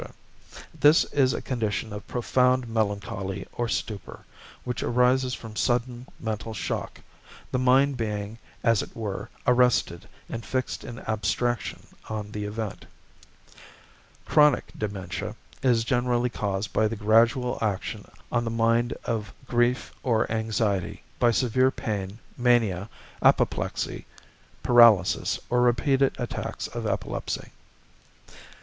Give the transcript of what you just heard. = This is a condition of profound melancholy or stupor, which arises from sudden mental shock, the mind being, as it were, arrested and fixed in abstraction on the event. =Chronic Dementia= is generally caused by the gradual action on the mind of grief or anxiety, by severe pain, mania, apoplexy, paralysis, or repeated attacks of epilepsy.